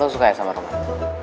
lo suka ya sama roman